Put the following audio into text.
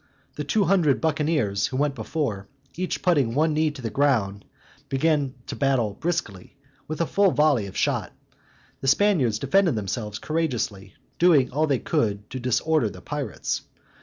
The two hundred buccaneers, who went before, each putting one knee to the ground, began to battle briskly, with a full volley of shot: the Spaniards defended themselves courageously, doing all they could to disorder the pirates.